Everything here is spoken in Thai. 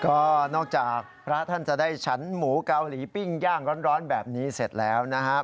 ก็นอกจากพระท่านจะได้ฉันหมูเกาหลีปิ้งย่างร้อนแบบนี้เสร็จแล้วนะครับ